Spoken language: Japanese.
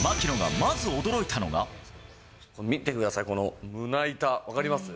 見てください、この胸板、分かります？